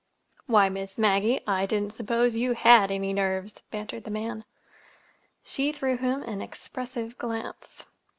"Why, Miss Maggie, I didn't suppose you had any nerves," bantered the man. She threw him an expressive glance.